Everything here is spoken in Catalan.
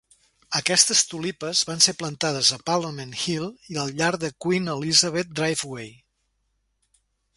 Aquestes tulipes van ser plantades a Parliament Hill i al llarg del Queen Elizabeth Driveway.